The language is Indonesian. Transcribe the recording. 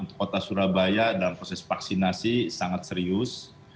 untuk kota surabaya dalam proses vaksinasi sangat serius